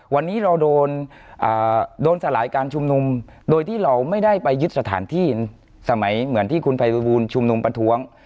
วันนี้เราโดนสลายการชุมนุมโดยที่เราไม่ได้ไปยึดสถานที่สมัยเหมือนที่คุณภัยบูลชุมนุมประท้วง